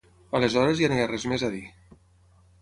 Aleshores ja no hi ha res més a dir.